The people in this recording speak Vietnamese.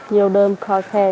nhiều đồ khó khe